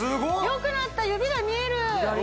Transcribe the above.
よくなった指が見える